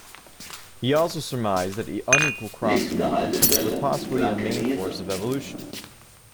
He also surmised that unequal crossing-over was possibly a main force of evolution.